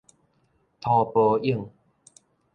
塗婆湧